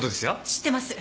知ってます。